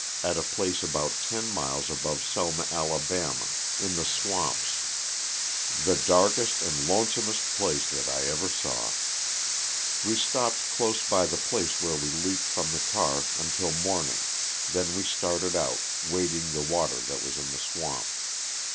at a place about ten miles above Selma, Ala., in the swamps — the darkest and LOSS OF THE SULTANA. 107 lonesomest place that I ever saw. We stopped close by the place where we leaped from the car until morn ing, then we started out, wading the water that was in the swamp.